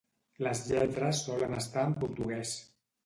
Les lletres solen estar en portuguès.